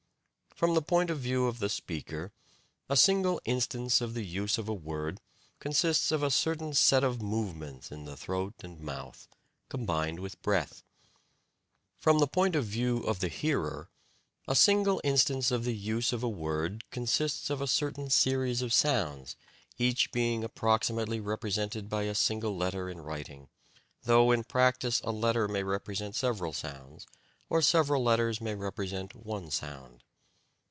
From the point of view of the speaker, a single instance of the use of a word consists of a certain set of movements in the throat and mouth, combined with breath. From the point of view of the hearer, a single instance of the use of a word consists of a certain series of sounds, each being approximately represented by a single letter in writing, though in practice a letter may represent several sounds, or several letters may represent one sound.